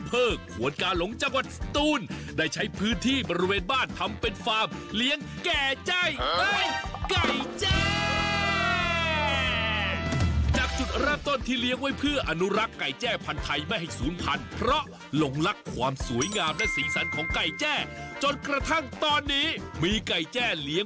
เกษตรกรในพื้นที่เล็กหรือพื้นที่ใหญ่ก็ทำเงินได้ง่ายง่าย